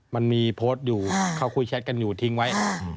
มันมีโพสต์อยู่เขาคุยแชทกันอยู่ทิ้งไว้